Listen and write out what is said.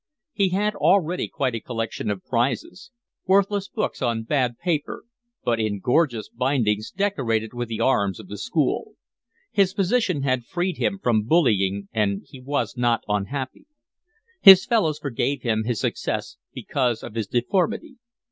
He had already quite a collection of prizes, worthless books on bad paper, but in gorgeous bindings decorated with the arms of the school: his position had freed him from bullying, and he was not unhappy. His fellows forgave him his success because of his deformity.